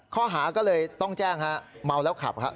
ข้อหาก็เลยต้องแจ้งฮะเมาแล้วขับครับ